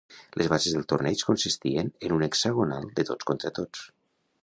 Les bases del torneig consistien en un hexagonal de tots contra tots.